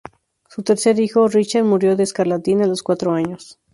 Su tercer hijo Richard murió de escarlatina a los cuatro años.